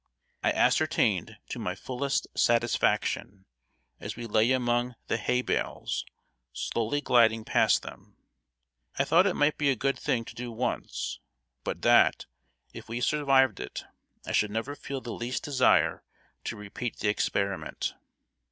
I ascertained to my fullest satisfaction, as we lay among the hay bales, slowly gliding past them. I thought it might be a good thing to do once, but that, if we survived it, I should never feel the least desire to repeat the experiment.